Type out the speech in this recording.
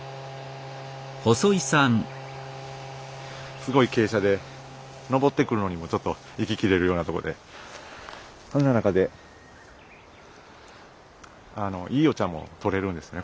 すごい傾斜で登ってくるのにもちょっと息切れるようなところでそんな中でいいお茶もとれるんですね